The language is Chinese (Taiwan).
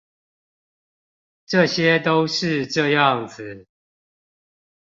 這些都是這樣子